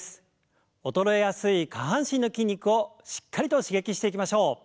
衰えやすい下半身の筋肉をしっかりと刺激していきましょう。